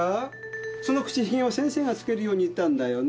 その口ひげは先生がつけるように言ったんだよね？